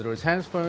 apakah itu handphone